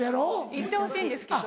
言ってほしいんですけど。